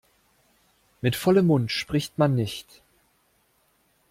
Mit vollem Mund spricht man nicht.